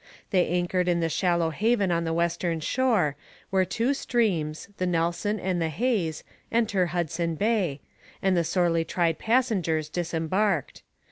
They anchored in the shallow haven on the western shore, where two streams, the Nelson and the Hayes, enter Hudson Bay, and the sorely tried passengers disembarked.